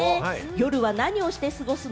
夜は何をして過ごすの？